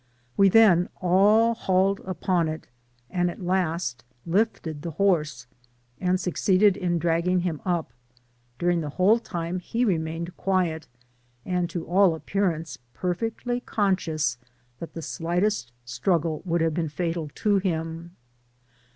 We then all hauled upon it, and at last lifted the horse, and succeeded in dragging him up : during the whole time he remained quiet, and to all appearance perfectly conscious that the slightest struggle would have been fatal to him.